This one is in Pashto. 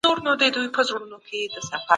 هغوی یوازي د پانګوني ظرفیت ته پام کاوه.